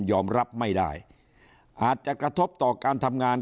รับไม่ได้อาจจะกระทบต่อการทำงาน